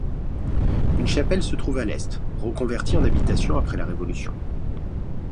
Une chapelle se trouve à l'est, reconvertie en habitation après la révolution.